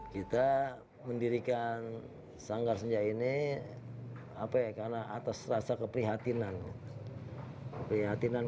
kita mendirikan sanggar senja ini karena atas rasa keprihatinan